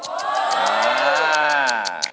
โอ้โฮ